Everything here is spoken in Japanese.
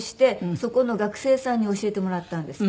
そこの学生さんに教えてもらったんですって。